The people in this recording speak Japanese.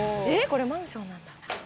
これマンションなんだ」